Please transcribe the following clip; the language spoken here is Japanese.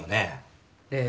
ええ。